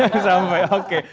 sayup sampai oke